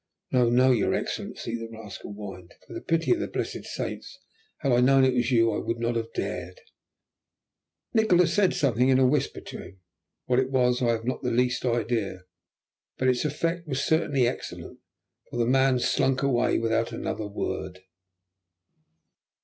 "No, no, your excellency," the rascal whined; "for the pity of the blessed saints. Had I known it was you I would not have dared." Nikola said something in a whisper to him; what it was I have not the least idea, but its effect was certainly excellent, for the man slunk away without another word.